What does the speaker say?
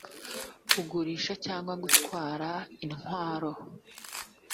kugurisha cyangwa gutwara intwaro